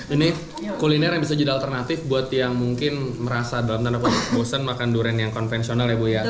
ini kuliner yang bisa jadi alternatif buat yang mungkin merasa dalam tanda kutip bosan makan durian yang konvensional ya bu ya